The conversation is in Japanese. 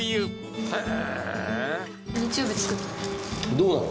どうなの？